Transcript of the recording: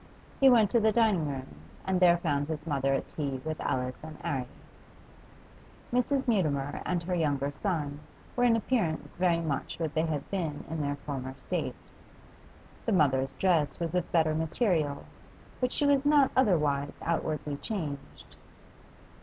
He went to the dining room and there found his mother at tea with Alice and 'Arry. Mrs. Mutimer and her younger son were in appearance very much what they had been in their former state. The mother's dress was of better material, but she was not otherwise outwardly changed.